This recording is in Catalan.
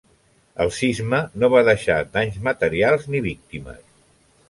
El sisme no va deixar danys materials ni víctimes.